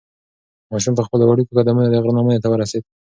ماشوم په خپلو وړوکو قدمونو د غره لمنې ته ورسېد.